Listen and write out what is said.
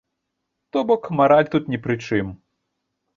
То бок мараль тут ні пры чым.